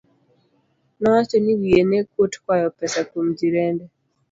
Nowacho ni wiye ne kuot kwayo pesa kuom jirende